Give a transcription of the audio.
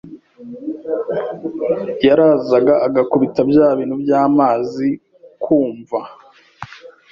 yarazaga agakubita bya bintu by’amazi ku mva